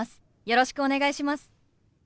よろしくお願いします。